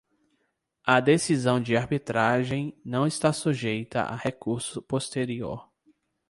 A decisão de arbitragem não está sujeita a recurso posterior.